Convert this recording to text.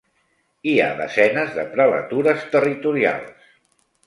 Hi ha desenes de prelatures territorials.